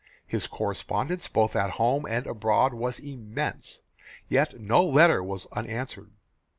His correspondence both at home and abroad was immense. Yet no letter was unanswered.